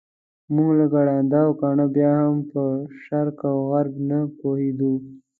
موږ لکه ړانده او کاڼه بیا هم په شرق او غرب نه پوهېدو.